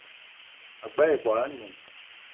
Ag͡bela ibwal anoun